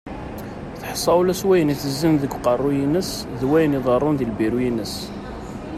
Teḥṣa ula s wayen itezzin deg uqerru-ines d wayen iḍarrun di lbiru-ines.